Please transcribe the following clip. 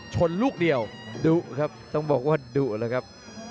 ลูกเดียวดุครับต้องบอกว่าดุแล้วครับ